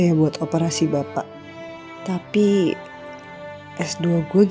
yang penting bapak cepat sembuh ya